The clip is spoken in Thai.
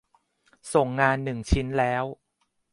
ส่งงานหนึ่งชิ้นแล้ว